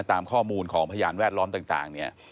ตามข้อมูลของพยานแวดล้อมต่างเนี่ย